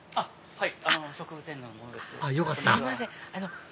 はい。